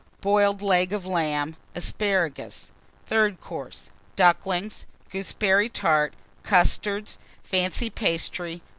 Boiled Leg of Lamb. Asparagus. THIRD COURSE. Ducklings. Gooseberry Tart. Custards. Fancy Pastry.